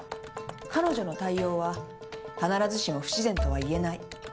彼女の対応は必ずしも不自然とは言えない。